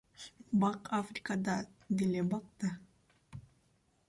Бак Африкада деле бак да.